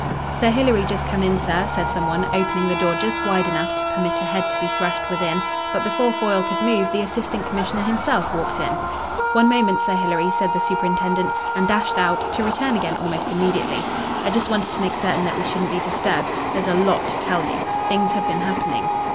"Sir Hilary just come in, sir," said some one, opening the door just wide enough to permit a head to be thrust within; but before Foyle could move the Assistant Commissioner himself walked in. "One moment, Sir Hilary," said the superintendent, and dashed out, to return again almost immediately. "I just wanted to make certain that we shouldn't be disturbed. There's a lot to tell you. Things have been happening."